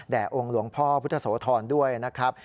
องค์หลวงพ่อพุทธโสธรด้วยนะครับ